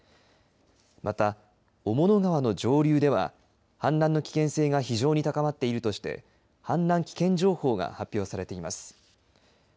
また、雄物川の上流では氾濫の危険性が非常に高まっているとして氾濫危険情報が発表されています。